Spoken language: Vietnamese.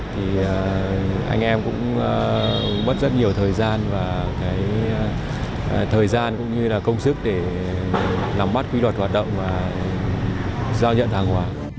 thì anh em cũng mất rất nhiều thời gian và cái thời gian cũng như là công sức để nắm bắt quy luật hoạt động và giao nhận hàng hóa